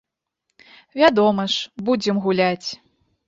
Вядома ж, будзем гуляць.